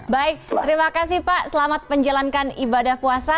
baik terima kasih pak selamat menjalankan ibadah puasa